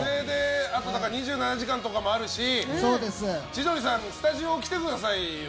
あと「２７時間」とかもあるし千鳥さんスタジオ来てくださいよ。